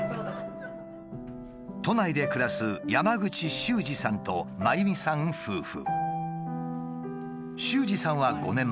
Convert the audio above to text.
都内で暮らす山口秀司さんと真弓さん夫婦。